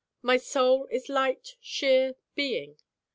My Soul is light sheer Being.